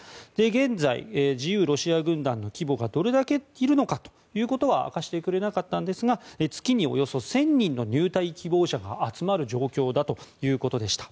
現在、自由ロシア軍団の規模がどれだけいるのかということは明かしてくれなかったんですが月におよそ１０００人の入隊希望者が集まる状況だということでした。